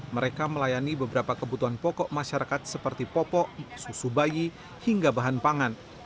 mereka melayani beberapa kebutuhan pokok masyarakat seperti popok susu bayi hingga bahan pangan